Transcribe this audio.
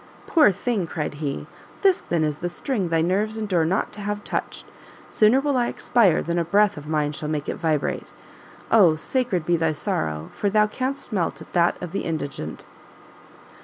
"Poor thing!" cried he, "this, then, is the string thy nerves endure not to have touched! sooner will I expire than a breath of mine shall make it vibrate! Oh sacred be thy sorrow, for thou canst melt at that of the indigent!"